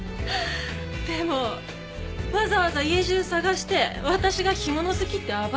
でもわざわざ家中捜して私が干物好きって暴いただけ？